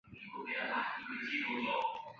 兴安堇菜是堇菜科堇菜属的植物。